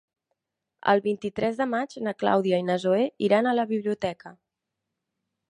El vint-i-tres de maig na Clàudia i na Zoè iran a la biblioteca.